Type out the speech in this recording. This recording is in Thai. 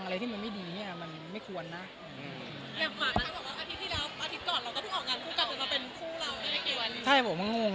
ใช่ผมมันงงมากครับ